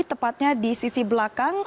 tepatnya di sisi belakang